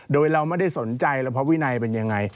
โดยเราไม่ได้สนใจระพะวินัยเป็นอย่างไร